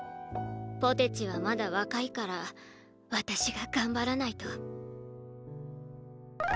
ポテチはまだ若いから私が頑張らないと。